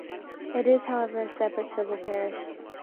It is, however, a separate civil parish.